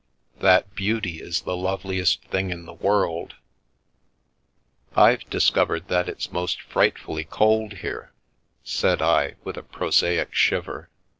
That beauty is the loveliest thing in the world !" I've discovered that it's most frightfully cold here, said I, with a prosaic shiver.